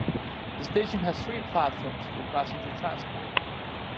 The station has three platforms for passenger transport.